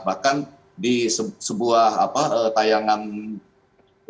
bahkan di sebuah apa tayangan tv